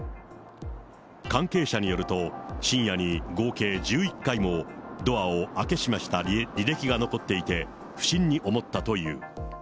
関係者によると、深夜に合計１１回もドアを開け閉めした履歴が残っていて、不審に思ったという。